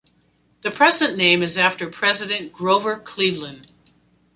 The present name is after President Grover Cleveland.